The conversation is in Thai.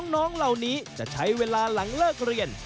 น้องเหล่านี้จะใช้เวลาหลังเลิกเรียน